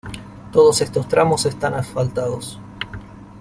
Todos estos tramos están asfaltados.